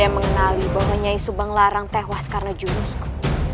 mengenali bahwa nge nyi subang larang tewas karena jurusku